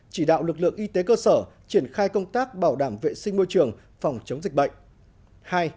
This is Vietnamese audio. chỉ đạo lực lượng y tế cơ sở triển khai công tác bảo đảm vệ sinh môi trường phòng chống dịch bệnh